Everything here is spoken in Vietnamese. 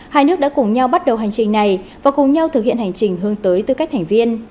hai nước đã cùng nhau bắt đầu hành trình này và cùng nhau thực hiện hành trình hướng tới tư cách thành viên